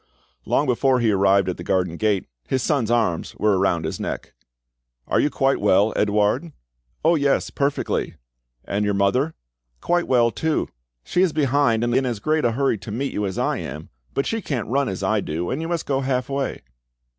Long before he arrived at the garden gate, his son's arms were around his neck. "Are you quite well, Edouard ?" "Oh yes, perfectly." "And your mother?" "Quite well too. She is behind, in as great a hurry to meet you as I am. But she can't run as I do, and you must go half way."